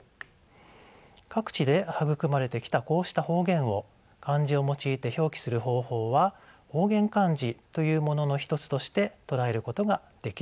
各地で育まれてきたこうした方言を漢字を用いて表記する方法は方言漢字というものの一つとして捉えることができるのです。